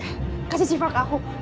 kamu ingin mencuri sifah ke aku